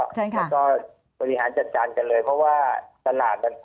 แล้วก็บริหารจัดการกันเลยเพราะว่าตลาดมัน